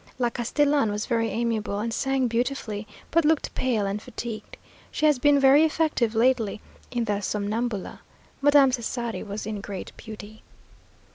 La Castellan was very amiable, and sang beautifully, but looked pale and fatigued. She has been very effective lately in the Somnambula. Madame Cesari was in great beauty.